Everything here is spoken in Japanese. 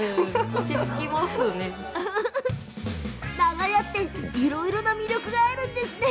長屋っていろいろな魅力があるんですね。